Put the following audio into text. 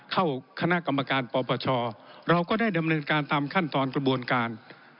เข้าคณะกรรมการปปชเราก็ได้ดำเนินการตามขั้นตอนกระบวนการ